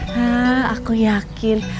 hah aku yakin